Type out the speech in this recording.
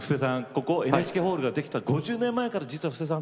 ここＮＨＫホールができた５０年前から実は布施さん